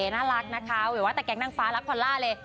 น่ารักนะคะแต่แกงนังฟ้ารักพอลล่าเลย